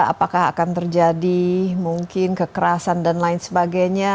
apakah akan terjadi mungkin kekerasan dan lain sebagainya